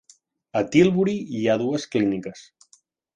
A Tilbury hi ha dues clíniques.